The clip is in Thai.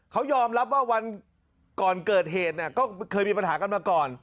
เขายอมรับว่าวันก่อนเกิดเหตุเนี่ยก็เคยมีปัญหากันมาก่อน